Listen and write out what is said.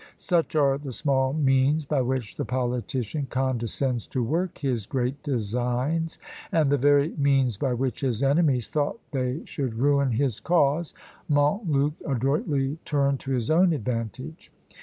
Such are the small means by which the politician condescends to work his great designs; and the very means by which his enemies thought they should ruin his cause, Montluc adroitly turned to his own advantage.